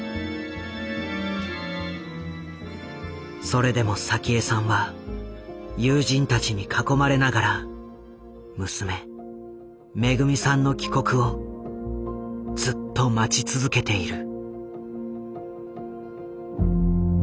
それでも早紀江さんは友人たちに囲まれながら娘・めぐみさんの帰国をずっと待ち続けている。